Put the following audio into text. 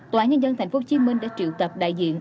tòa án nhân dân tp hcm đã triệu tập đại diện